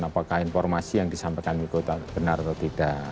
apakah informasi yang disampaikan miko benar atau tidak